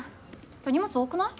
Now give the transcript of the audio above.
今日荷物多くない？